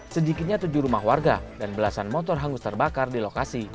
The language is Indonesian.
sedikitnya tujuh rumah warga dan belasan motor hangus terbakar di lokasi